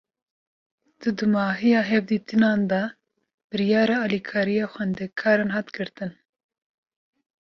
Di dûmahiya hevdîtinan de, biryara alîkariya xwendekaran hat girtin